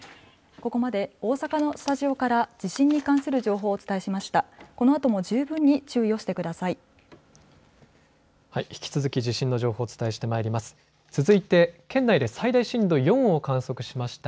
ここまで大阪のスタジオから地震に関する情報をお伝えしました。